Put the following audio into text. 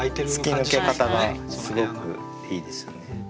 突き抜け方がすごくいいですよね。